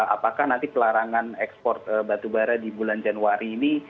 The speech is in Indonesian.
apakah nanti pelarangan ekspor batubara di bulan januari ini